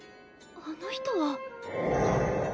あの人は。